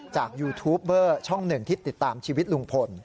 ยูทูปเบอร์ช่องหนึ่งที่ติดตามชีวิตลุงพล